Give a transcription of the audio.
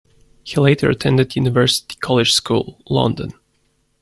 He later attended University College School, London.